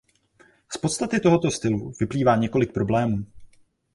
Z podstaty tohoto stylu vyplývá několik problémů.